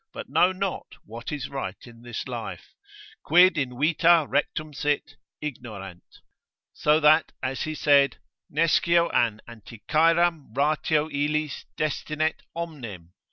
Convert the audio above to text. but know not what is right in this life, quid in vita rectum sit, ignorant; so that as he said, Nescio an Anticyram ratio illis destinet omnem.